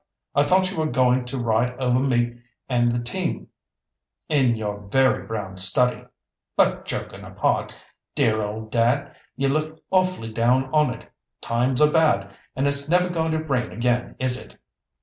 I thought you were going to ride over me and the team, in your very brown study. But joking apart, dear old dad, you look awfully down on it. Times are bad, and it's never going to rain again, is it?